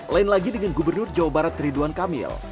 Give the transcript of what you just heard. lain lagi dengan gubernur jawa barat ridwan kamil